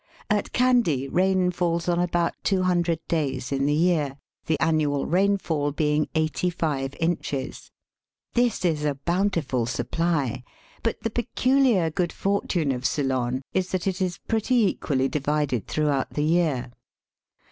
At Kandy rain falls on about two hundred days in the year, the annual rain fall being eighty five inches. This is a bounti Digitized by VjOOQIC THE ISLE OP SPICY BREEZES. 151 ful supply; but the peculiar good fortune of Ceylon is that it is pretty equally divided throughout the year.